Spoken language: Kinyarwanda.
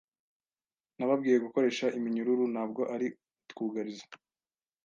Nababwiye gukoresha iminyururu, ntabwo ari utwugarizo.